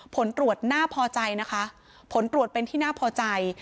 ผลตรวจน่าพอใจนะคะผลตรวจเป็นที่น่าพอใจ